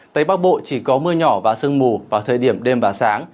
tây bắc bộ chỉ có mưa nhỏ và sương mù vào thời điểm đêm và sáng